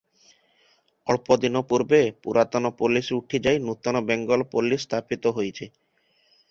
ଅଳ୍ପ ଦିନ ପୂର୍ବେ ପୁରାତନ ପୋଲିସ ଉଠି ଯାଇ ନୂତନ ବେଙ୍ଗଲ ପୋଲିସ ସ୍ଥାପିତ ହୋଇଛି ।